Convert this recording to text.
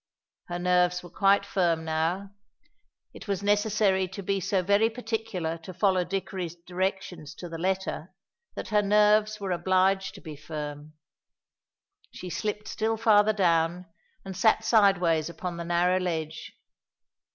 Her nerves were quite firm now. It was necessary to be so very particular to follow Dickory's directions to the letter, that her nerves were obliged to be firm. She slipped still farther down and sat sideways upon the narrow ledge.